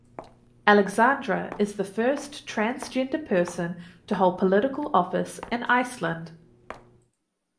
Alexandra is the first transgender person to hold political office in Iceland.